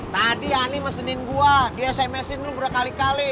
tadi ani mesenin gue dia sms in lu berkali kali